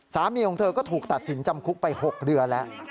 สามีของเธอก็ถูกตัดสินจำคุกไป๖เดือนแล้ว